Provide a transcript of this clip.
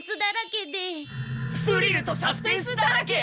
スリルとサスペンスだらけ！？